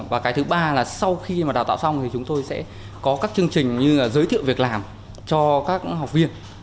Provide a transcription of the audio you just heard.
và cái thứ ba là sau khi mà đào tạo xong thì chúng tôi sẽ có các chương trình như giới thiệu việc làm cho các học viên